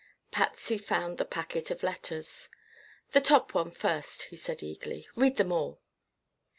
Patsy found the packet of letters. "The top one first," he said eagerly. "Read them all!"